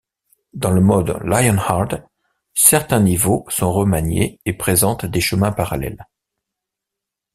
Dans le mode LionHard, certains niveaux sont remaniés et présentent des chemins parallèles.